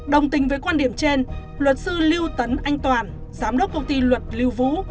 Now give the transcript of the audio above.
đồng tình với quan điểm trên luật sư lưu tấn anh toàn giám đốc công ty luật lưu vũ